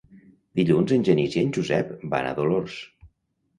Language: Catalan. Dilluns en Genís i en Josep van a Dolors.